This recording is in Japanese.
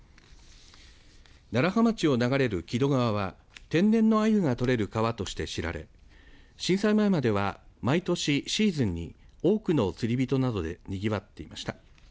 楢葉町を流れる木戸川は天然のアユがとれる川として知られ震災前までは毎年、シーズンに多くの釣り人などでにぎわっていました。